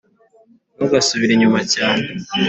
ntugasubire inyuma cyane